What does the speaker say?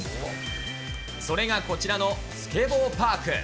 それがこちらのスケボーパーク。